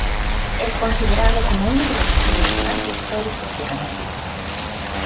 Es considerado como uno de los clubs más históricos de Canarias.